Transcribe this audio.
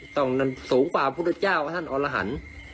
ต้องนำสูงกว่าพระพุทธเจ้าท่านออลหันต์